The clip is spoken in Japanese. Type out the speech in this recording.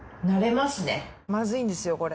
まずいんですよこれ。